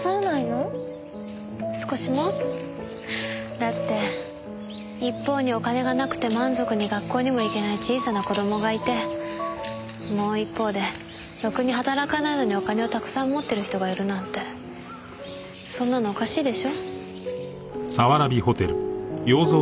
だって一方にお金がなくて満足に学校にも行けない小さな子供がいてもう一方でろくに働かないのにお金をたくさん持ってる人がいるなんてそんなのおかしいでしょ？